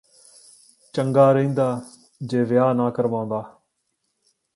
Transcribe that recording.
ਚੰਗਾ ਰਹਿੰਦਾ ਜੇ ਵਿਆਹ ਨਾ ਕਰਵਾਉਂਦਾ